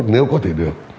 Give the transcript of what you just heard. nếu có thể được